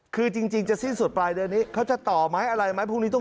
คือจริงจะสิ้นสุดปลายเดือนนี้